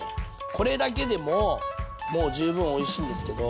これだけでもうもう十分おいしいんですけど。